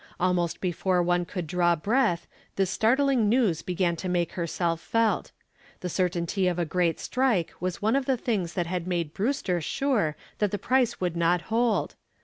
Almost before one could draw breath this startling news began to make itself felt. The certainty of a great strike was one of the things that had made Brewster sure that the price could not hold.